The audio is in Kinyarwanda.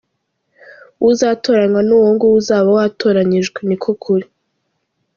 Uzatoranywa ni uwo ng’uwo uzaba watoranyijwe, ni ko kuri.